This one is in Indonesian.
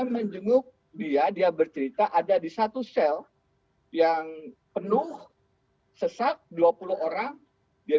memperd ratios dari tingkat utama